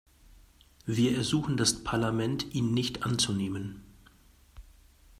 Wir ersuchen das Parlament, ihn nicht anzunehmen.